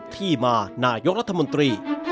ที่มานายกรัฐมนตรี